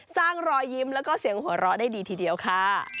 สร้างรอยยิ้มแล้วก็เสียงหัวเราะได้ดีทีเดียวค่ะ